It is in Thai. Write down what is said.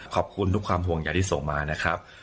ขอบคุณทุกความห่วงใหญ่ที่ส่งมานะครับ